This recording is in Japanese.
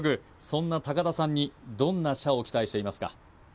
そんな高田さんにどんな射を期待していますか？